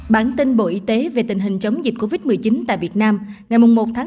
bản tin bộ y tế về tình hình chống dịch covid một mươi chín tại việt nam ngày một năm hai nghìn hai mươi hai